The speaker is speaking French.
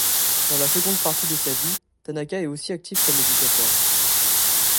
Dans la seconde partie de sa vie, Tanaka est aussi actif comme éducateur.